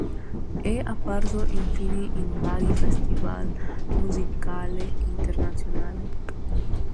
È apparso infine in vari festival musicali internazionali.